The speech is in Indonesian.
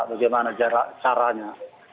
bagaimana jarak caranya